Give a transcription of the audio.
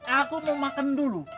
aku mau makan dulu